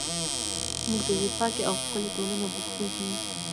موږ د یوې پاکې او ښکلې ټولنې غوښتونکي یو.